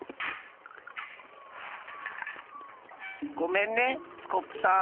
ごめんねスコップさん。